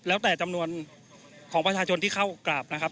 แล้วแต่จำนวนของประชาชนที่เข้ากราบนะครับ